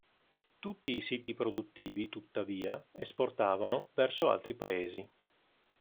Tutti i siti produttivi tuttavia esportavano verso altri paesi.